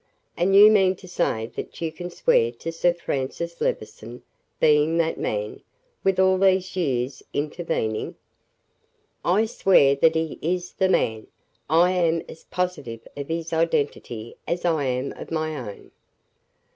"And you mean to say that you can swear to Sir Francis Levison being that man, with all these years intervening?" "I swear that he is the man. I am as positive of his identity as I am of my own."